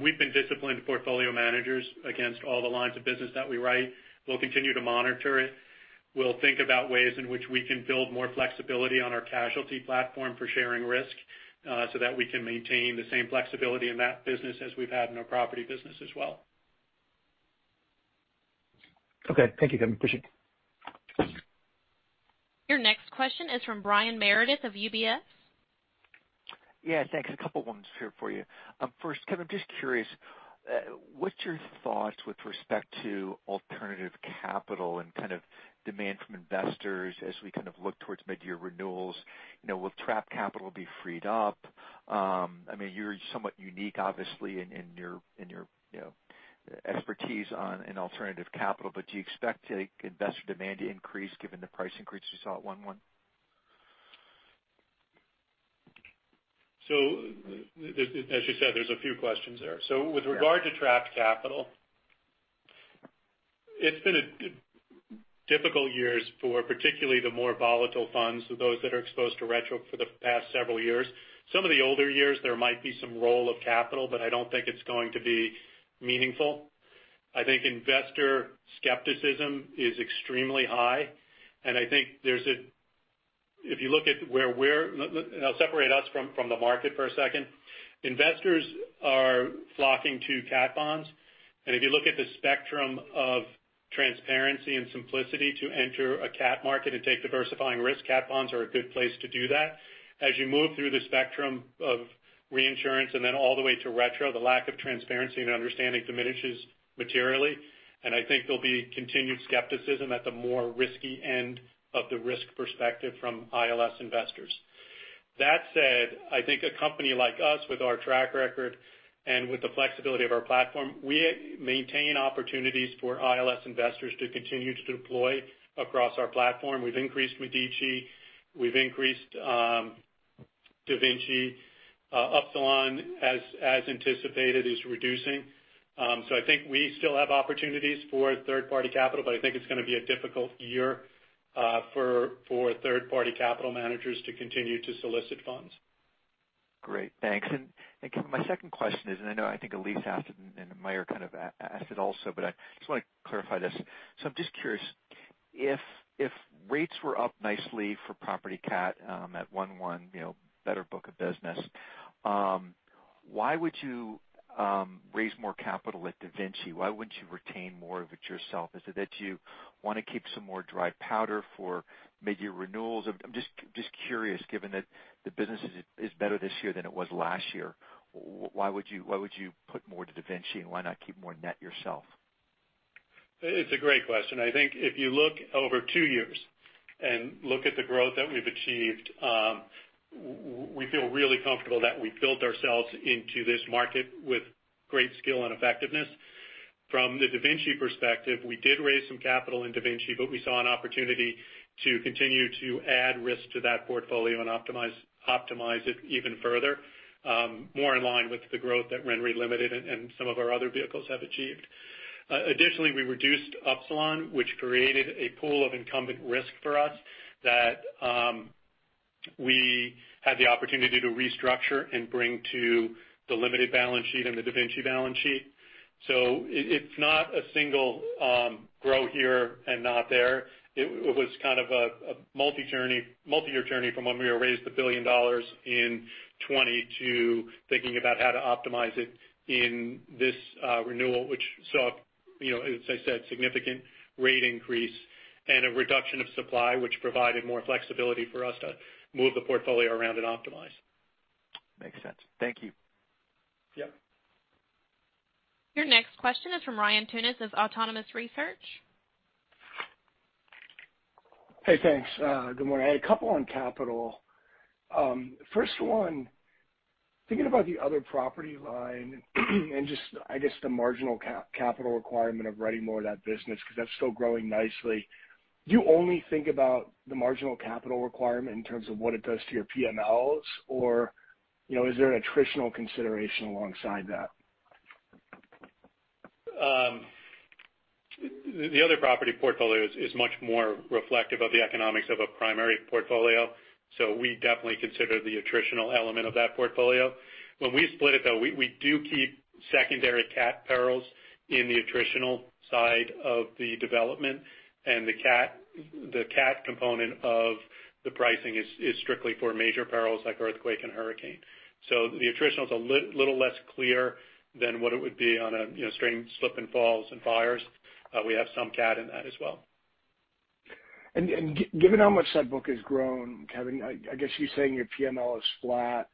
We've been disciplined portfolio managers against all the lines of business that we write. We'll continue to monitor it. We'll think about ways in which we can build more flexibility on our casualty platform for sharing risk, so that we can maintain the same flexibility in that business as we've had in our property business as well. Okay. Thank you, Kevin. Appreciate it. Your next question is from Brian Meredith of UBS. Yeah, thanks. A couple ones here for you. First, Kevin, I'm just curious, what's your thoughts with respect to alternative capital and kind of demand from investors as we kind of look towards midyear renewals? You know, will trapped capital be freed up? I mean, you're somewhat unique, obviously, in your you know, expertise in alternative capital, but do you expect, like, investor demand to increase given the price increase you saw at 1/1? As you said, there's a few questions there. Yeah. With regard to trapped capital, it's been a difficult years for particularly the more volatile funds, so those that are exposed to retro for the past several years. Some of the older years, there might be some roll of capital, but I don't think it's going to be meaningful. I think investor skepticism is extremely high, and I think and I'll separate us from the market for a second. Investors are flocking to cat bonds, and if you look at the spectrum of transparency and simplicity to enter a cat market and take diversifying risk, cat bonds are a good place to do that. As you move through the spectrum of reinsurance and then all the way to retro, the lack of transparency and understanding diminishes materially, and I think there'll be continued skepticism at the more risky end of the risk perspective from ILS investors. That said, I think a company like us with our track record and with the flexibility of our platform, we maintain opportunities for ILS investors to continue to deploy across our platform. We've increased Medici, we've increased DaVinci. Upsilon as anticipated is reducing. So I think we still have opportunities for third party capital, but I think it's gonna be a difficult year for third party capital managers to continue to solicit funds. Great, thanks. Kevin, my second question is, I know I think Elyse asked it and Meyer kind of asked it also, but I just wanna clarify this. I'm just curious, if rates were up nicely for property cat at 1/1, you know, better book of business, why would you raise more capital at DaVinci? Why wouldn't you retain more of it yourself? Is it that you wanna keep some more dry powder for mid-year renewals? I'm just curious given that the business is better this year than it was last year, why would you put more to DaVinci and why not keep more net yourself? It's a great question. I think if you look over two years and look at the growth that we've achieved, we feel really comfortable that we've built ourselves into this market with great skill and effectiveness. From the DaVinci perspective, we did raise some capital in DaVinci, but we saw an opportunity to continue to add risk to that portfolio and optimize it even further, more in line with the growth that RenRe Limited and some of our other vehicles have achieved. Additionally, we reduced Upsilon, which created a pool of incumbent risk for us that we had the opportunity to restructure and bring to the limited balance sheet and the DaVinci balance sheet. It's not a single growth here and not there. It was kind of a multi-journey, multi-year journey from when we raised $1 billion in 2020 to thinking about how to optimize it in this renewal, which saw, you know, as I said, significant rate increase and a reduction of supply, which provided more flexibility for us to move the portfolio around and optimize. Makes sense. Thank you. Yep. Your next question is from Ryan Tunis of Autonomous Research. Hey, thanks. Good morning. A couple on capital. First one, thinking about the other property line and just I guess the marginal capital requirement of writing more of that business 'cause that's still growing nicely, do you only think about the marginal capital requirement in terms of what it does to your PMLs, or, you know, is there an attritional consideration alongside that? The other property portfolio is much more reflective of the economics of a primary portfolio. We definitely consider the attritional element of that portfolio. When we split it, though, we do keep secondary cat perils in the attritional side of the development. The cat component of the pricing is strictly for major perils like earthquake and hurricane. The attritional is a little less clear than what it would be on a, you know, straight slip and falls and fires. We have some cat in that as well. Given how much that book has grown, Kevin, I guess you're saying your PML is flat.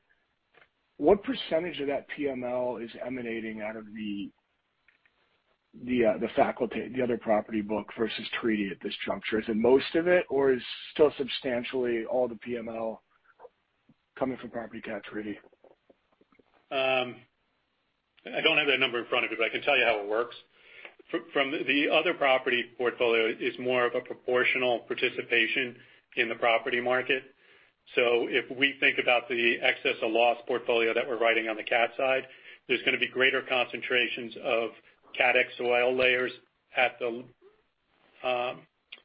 What percentage of that PML is emanating out of the facultative, the other property book versus treaty at this juncture? Is it most of it or is still substantially all the PML coming from property cat treaty? I don't have that number in front of it, but I can tell you how it works. The other property portfolio is more of a proportional participation in the property market. If we think about the excess of loss portfolio that we're writing on the cat side, there's gonna be greater concentrations of cat XOL layers at the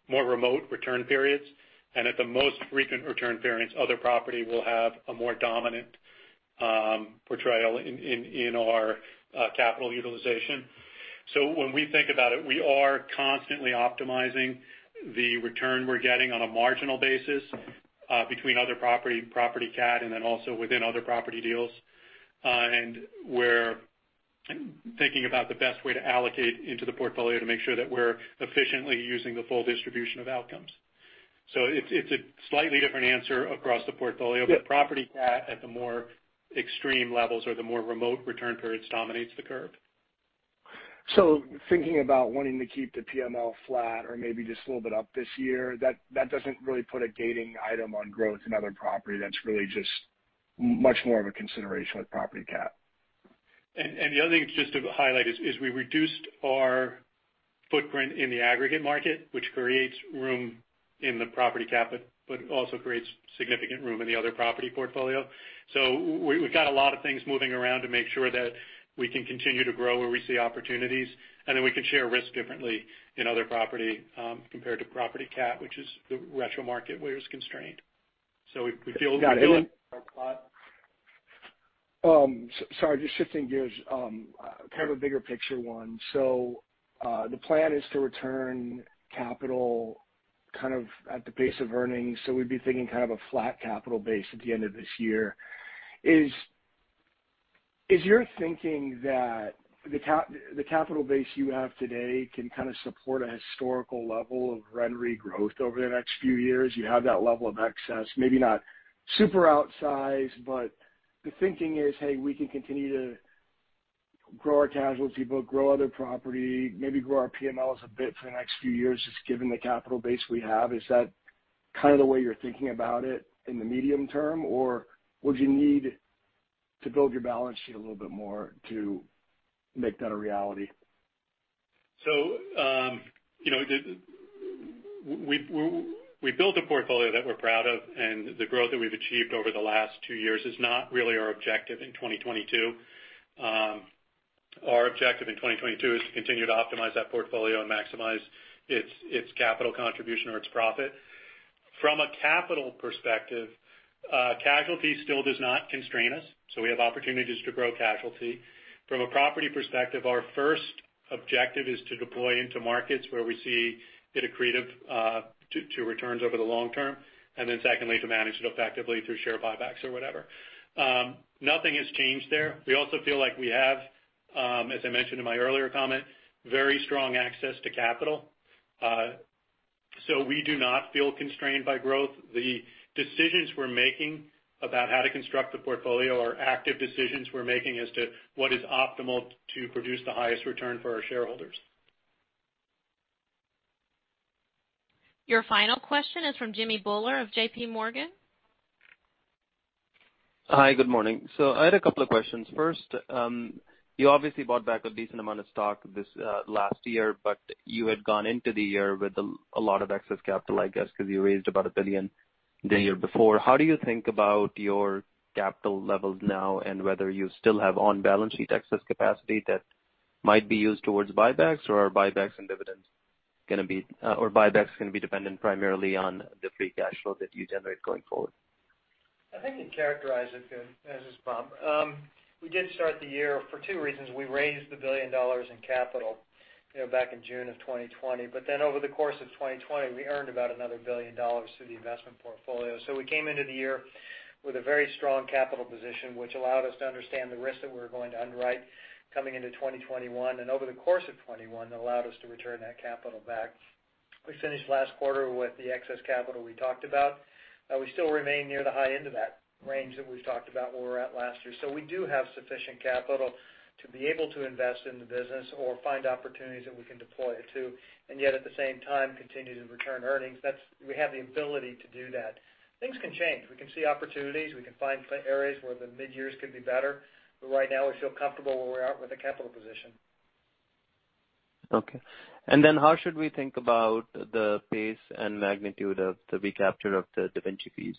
more remote return periods. At the most frequent return periods, other property will have a more dominant pro rata in our capital utilization. When we think about it, we are constantly optimizing the return we're getting on a marginal basis between other property cat, and then also within other property deals. We're thinking about the best way to allocate into the portfolio to make sure that we're efficiently using the full distribution of outcomes. It's a slightly different answer across the portfolio. Yeah. Property cat at the more extreme levels or the more remote return periods dominates the curve. Thinking about wanting to keep the PML flat or maybe just a little bit up this year, that doesn't really put a gating item on growth in other property that's really just much more of a consideration with property cat. The other thing just to highlight is we reduced our footprint in the aggregate market, which creates room in the property cat, but also creates significant room in the other property portfolio. We got a lot of things moving around to make sure that we can continue to grow where we see opportunities, and then we can share risk differently in other property, compared to property cat, which is the retro market where it's constrained. We feel- Got it. Sorry, just shifting gears, kind of a bigger picture one. The plan is to return capital kind of at the base of earnings. We'd be thinking kind of a flat capital base at the end of this year. Is your thinking that the capital base you have today can kind of support a historical level of RenRe growth over the next few years? You have that level of excess, maybe not super outsized, but the thinking is, hey, we can continue to grow our casualty book, grow other property, maybe grow our PMLs a bit for the next few years just given the capital base we have. Is that kind of the way you're thinking about it in the medium term, or would you need To build your balance sheet a little bit more to make that a reality. You know, we built a portfolio that we're proud of, and the growth that we've achieved over the last two years is not really our objective in 2022. Our objective in 2022 is to continue to optimize that portfolio and maximize its capital contribution or its profit. From a capital perspective, casualty still does not constrain us, so we have opportunities to grow casualty. From a property perspective, our first objective is to deploy into markets where we see accretive to returns over the long term, and then secondly, to manage it effectively through share buybacks or whatever. Nothing has changed there. We also feel like we have, as I mentioned in my earlier comment, very strong access to capital. So we do not feel constrained by growth. The decisions we're making about how to construct the portfolio are active decisions we're making as to what is optimal to produce the highest return for our shareholders. Your final question is from Jamminder Singh Bhullar of JPMorgan. Hi, good morning. I had a couple of questions. First, you obviously bought back a decent amount of stock this last year, but you had gone into the year with a lot of excess capital, I guess, because you raised about $1 billion the year before. How do you think about your capital levels now and whether you still have on-balance sheet excess capacity that might be used towards buybacks? Or are buybacks and dividends gonna be dependent primarily on the free cash flow that you generate going forward? I think you characterized it good. This is Bob Qutub. We did start the year for two reasons. We raised $1 billion in capital, you know, back in June 2020. Over the course of 2020, we earned about another $1 billion through the investment portfolio. We came into the year with a very strong capital position, which allowed us to understand the risk that we were going to underwrite coming into 2021. Over the course of 2021, allowed us to return that capital back. We finished last quarter with the excess capital we talked about. We still remain near the high end of that range that we've talked about where we're at last year. We do have sufficient capital to be able to invest in the business or find opportunities that we can deploy it to, and yet at the same time, continue to return earnings. That's. We have the ability to do that. Things can change. We can see opportunities. We can find areas where the mid-years could be better. Right now we feel comfortable where we're at with the capital position. Okay. How should we think about the pace and magnitude of the recapture of the DaVinci fees?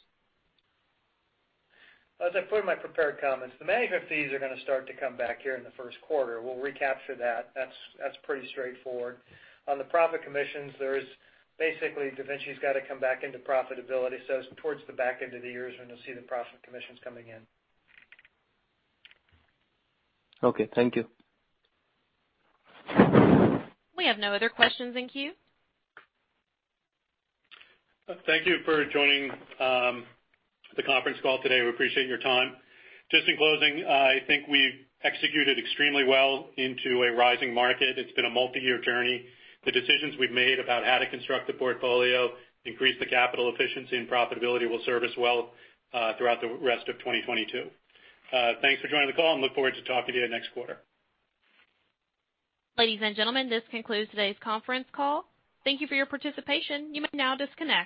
As I put in my prepared comments, the management fees are gonna start to come back here in the Q1. We'll recapture that. That's pretty straightforward. On the profit commissions, there is basically DaVinci's gotta come back into profitability, so it's towards the back end of the year is when you'll see the profit commissions coming in. Okay, thank you. We have no other questions in queue. Thank you for joining the conference call today. We appreciate your time. Just in closing, I think we executed extremely well into a rising market. It's been a multi-year journey. The decisions we've made about how to construct the portfolio, increase the capital efficiency and profitability will serve us well throughout the rest of 2022. Thanks for joining the call and look forward to talking to you next quarter. Ladies and gentlemen, this concludes today's conference call. Thank you for your participation. You may now disconnect.